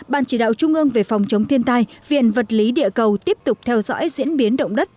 ban chỉ đạo trung ương về phòng chống thiên tai viện vật lý địa cầu tiếp tục theo dõi diễn biến động đất